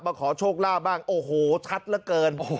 มาขอโชคลาบบ้างโอ้โหชัดละเกิน